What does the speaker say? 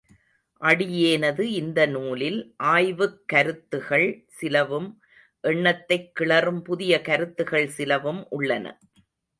அடியேனது இந்த நூலில் ஆய்வுக் கருத்துகள் சிலவும் எண்ணத்தைக் கிளறும் புதிய கருத்துகள் சிலவும் உள்ளன.